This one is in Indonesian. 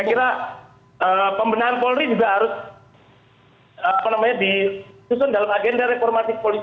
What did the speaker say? saya kira pembinaan polri juga harus apa namanya disusun dalam agenda reformatif politik